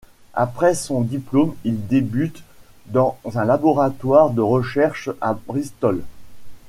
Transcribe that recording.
Après son diplôme il débute dans un laboratoire de recherches à Bristol.